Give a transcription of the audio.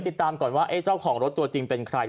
ติดตามก่อนว่าเจ้าของรถตัวจริงเป็นใคร